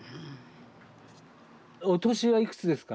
お年はいくつですか？